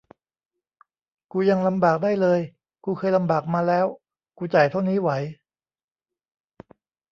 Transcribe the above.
กูยังลำบากได้เลย กูเคยลำบากมาแล้ว กูจ่ายเท่านี้ไหว